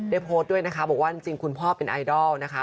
โพสต์ด้วยนะคะบอกว่าจริงคุณพ่อเป็นไอดอลนะคะ